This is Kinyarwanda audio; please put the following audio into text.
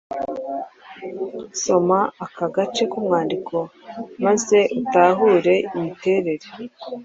Soma aka gace k’umwandiko maze utahure imiterere